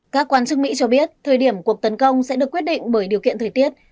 các quan chức mỹ cho biết thời điểm cuộc tấn công sẽ được quyết định bởi điều kiện thời tiết